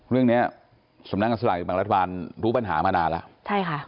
เรื่องเนี่ยสำนักการสลากบังรัฐบาลรู้ปัญหามานานแล้ว